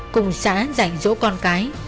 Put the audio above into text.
cùng xã dạy dỗ con cái